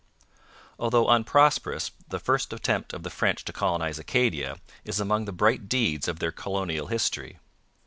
Although unprosperous, the first attempt of the French to colonize Acadia is among the bright deeds of their colonial history.